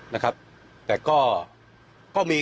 นะครับแต่ก็